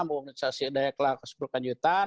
komunikasi daya kelahirkan sepuluh kanjutan